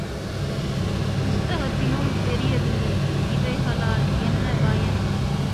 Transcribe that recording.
புஸ்தகத்திலும் தெரியவில்லை இவைகளால் என்ன பயன்?